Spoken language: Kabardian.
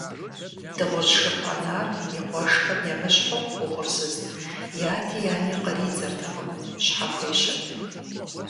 Дыгъужь шыр къэнар и къуэшхэм емыщхьу угъурсызт, и ади и ани къридзэртэкъым, щхьэхуещэт.